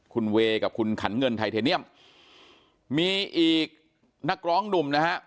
คุณเวย์กับคุณขันเงินไทเทเนียมมีอีกนักร้องหนุ่มนะฮะ